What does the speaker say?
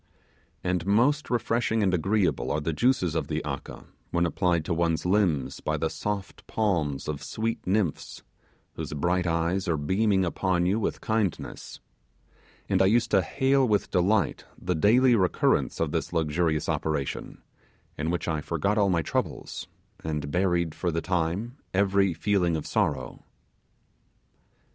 And most refreshing and agreeable are the juices of the 'aka', when applied to ones, limbs by the soft palms of sweet nymphs, whose bright eyes are beaming upon you with kindness; and I used to hail with delight the daily recurrence of this luxurious operation, in which I forgot all my troubles, and buried for the time every feeling of sorrow.